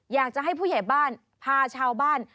อยากจะให้ผู้ใหญ่บ้านพาชาวบ้าน